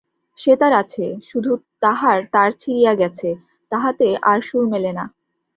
সেতার আছে, শুধু তাহার তার ছিঁড়িয়া গেছে, তাহাতে আর সুর মেলে না।